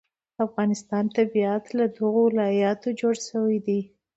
د افغانستان طبیعت له دغو ولایتونو جوړ شوی دی.